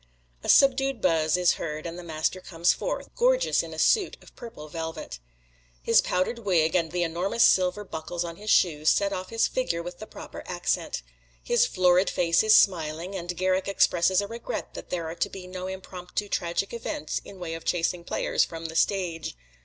A subdued buzz is heard, and the master comes forth, gorgeous in a suit of purple velvet. His powdered wig and the enormous silver buckles on his shoes set off his figure with the proper accent. His florid face is smiling, and Garrick expresses a regret that there are to be no impromptu tragic events in way of chasing players from the stage.